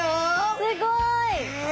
すっごい。